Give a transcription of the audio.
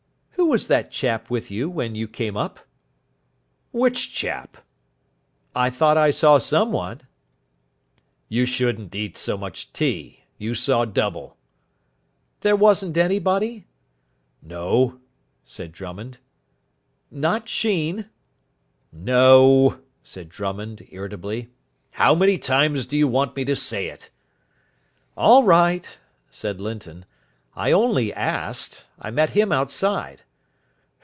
"Who was that chap with you when you came up?" "Which chap?" "I thought I saw some one." "You shouldn't eat so much tea. You saw double." "There wasn't anybody?" "No," said Drummond. "Not Sheen?" "No," said Drummond, irritably. "How many more times do you want me to say it?" "All right," said Linton, "I only asked. I met him outside."